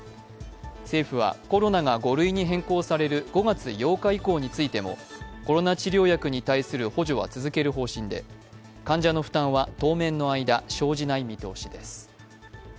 政府はコロナが５類に変更される５月８日以降についてもコロナ治療薬に対する補助は続ける方針で患者の負担は当面の間生じない見通しです。